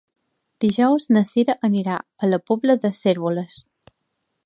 Dijous na Sira anirà a la Pobla de Cérvoles.